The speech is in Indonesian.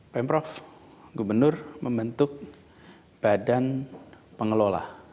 pemprov gubernur membentuk badan pengelola